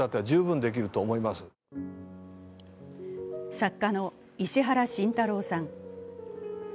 作家の石原慎太郎さん。